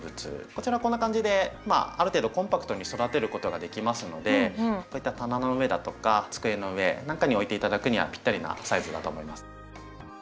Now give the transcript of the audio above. こちらこんな感じである程度コンパクトに育てることができますのでこういった棚の上だとか机の上なんかに置いて頂くにはピッタリなサイズだと思います。